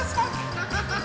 ハハハハッ！